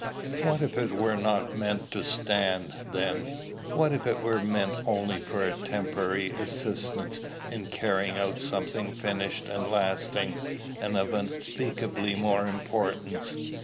"What if it were not meant to stand, then? What if it were meant only for a temporary assistance in carrying out something finished and lasting, and of unspeakably more importance?